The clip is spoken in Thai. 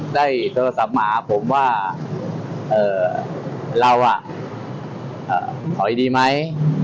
ได้โทรศัพท์มาหาผมว่าเราถอยดีไหม